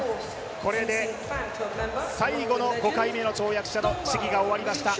これで最後の５回目の跳躍者の試技が終わりました。